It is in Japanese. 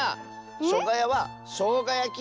「しょがや」は「しょうがやき」！